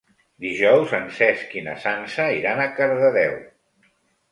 Dijous en Cesc i na Sança iran a Cardedeu.